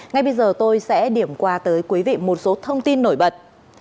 ngay bây giờ tôi sẽ điểm qua tới quý vị một số thông tin nổi bật